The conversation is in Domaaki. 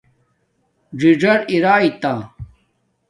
ڎی ڎار ارتا